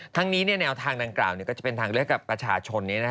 ทั้งนี้แนวทางดังกล่าวก็จะเป็นทางเลือกกับประชาชน